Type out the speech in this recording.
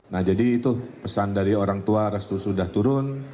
nah jadi itu pesan dari orang tua restu sudah turun